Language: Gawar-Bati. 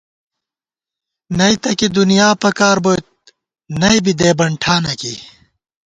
نئ تہ کی دُنیا پکار بوئیت ، نئ بی دېبَن ٹھانہ کی